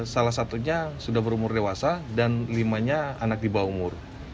salah satunya sudah berumur dewasa dan limanya anak di bawah umur